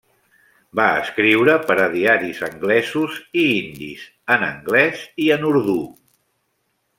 Va escriure per a diaris anglesos i indis, en anglès i en urdú.